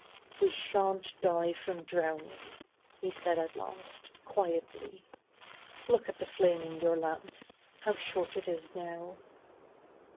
"We shan't die from drowning," he said at last, quietly; "look at the flame in your lamps, how short it is now."